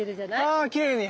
あきれいに。